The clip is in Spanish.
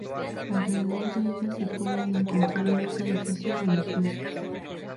Alrededor de ella se pueden encontrar más edificios religiosos.